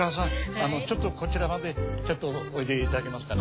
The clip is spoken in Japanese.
あのちょっとこちらまでちょっとおいでいただけますかね。